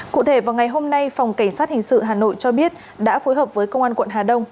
cụ thể vào ngày hôm nay phòng cảnh sát hình sự hà nội cho biết đã phối hợp với công an quận hà đông